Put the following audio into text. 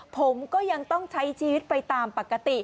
ผมก็ยังต้องใช้ชีวิตไปตามปกติ